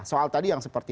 soal tadi yang seperti